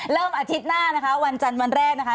อาทิตย์หน้านะคะวันจันทร์วันแรกนะคะ